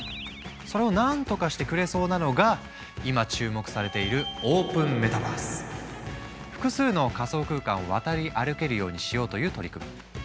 それを何とかしてくれそうなのが今注目されている複数の仮想空間を渡り歩けるようにしようという取り組み。